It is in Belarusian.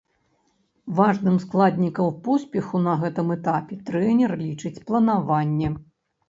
Важным складнікам поспеху на гэтым этапе трэнер лічыць планаванне.